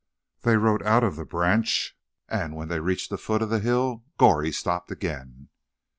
They rode out of the branch, and when they reached the foot of the hill Goree stopped again.